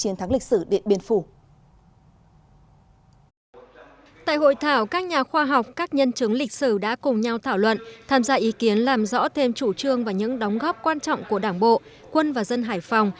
nhân chứng lịch sử đã cùng nhau thảo luận tham gia ý kiến làm rõ thêm chủ trương và những đóng góp quan trọng của đảng bộ quân và dân hải phòng